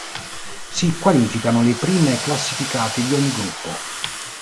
Si qualificano le prime classificate di ogni gruppo.